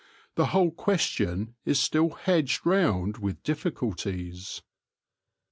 The whole question is still hedged round with difficulties.